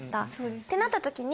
ってなった時に。